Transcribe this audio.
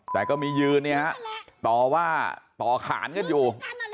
แต่ก็มียืนเนี่ยฮะต่อว่าต่อขานกันอยู่